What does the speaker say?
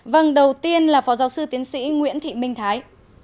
vâng đầu tiên là phó giáo sư tiến sĩ nguyễn thị minh thái